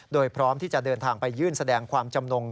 โดยพร้อมที่จะเดินทางไปยื่นแสดงความจำนง